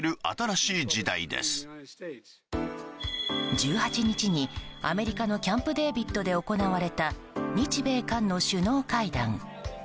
１８日にアメリカのキャンプデービッドで行われた日米韓の首脳会談。